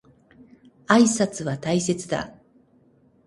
挨拶は大切だ。